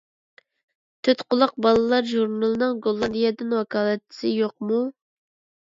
تۆتقۇلاق بالىلار ژۇرنىلىنىڭ گوللاندىيەدىن ۋاكالەتچىسى يوقمۇ؟